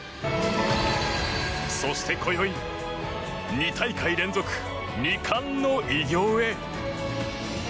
そしてこよい２大会連続２冠の偉業へ。